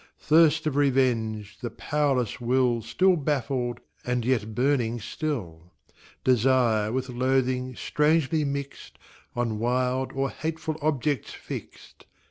Thirst of revenge, the powerless will Still baffled, and yet burning still ! Desire with loathing strangely mixed On wild or hateful objects fixed.